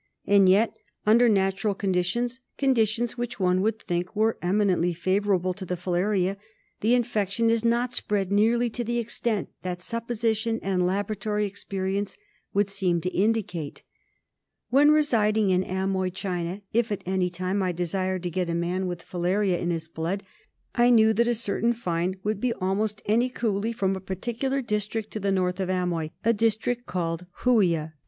And yet under natural conditions, conditions which one would think were eminently favourable to the filaria, the infection is not spread nearly to the extent that supposition and laboratory experience would seem to indicate. When residing in Amoy, China, if at any time I desired to get a man with filariae in his blood, I knew that a certain find would be almost any Coolie from a par ticular district to the north of Amoy, a district called Hooioah.